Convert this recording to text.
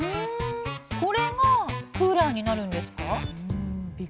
これがクーラーになるんですか？